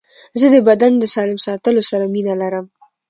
زه د بدن د سالم ساتلو سره مینه لرم.